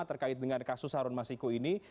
terkait dengan kasus harun masiku ini